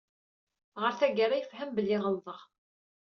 Ɣer tagara yefhem belli yeɣleḍ.